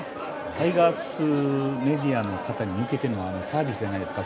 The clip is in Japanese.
タイガースメディアの方に向けてのサービスじゃないですか？